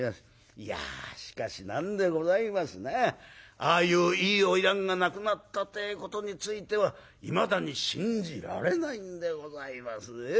いやしかし何でございますねああいういい花魁が亡くなったてえことについてはいまだに信じられないんでございますね。